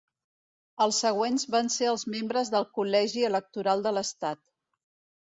Els següents van ser els membres del Col·legi Electoral de l'estat.